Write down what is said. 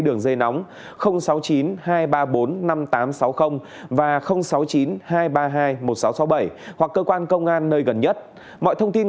đường dây nóng sáu chín hai ba bốn năm tám sáu và sáu chín hai ba hai một sáu sáu bảy hoặc cơ quan công an nơi gần nhất mọi thông tin